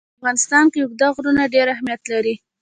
په افغانستان کې اوږده غرونه ډېر اهمیت لري.